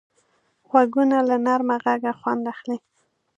غوږونه له نرمه غږه خوند اخلي